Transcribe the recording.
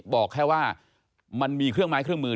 บอกแค่ว่ามันมีเครื่องไม้เครื่องมือ